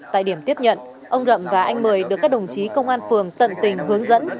tại điểm tiếp nhận ông rậm và anh mười được các đồng chí công an phường tận tình hướng dẫn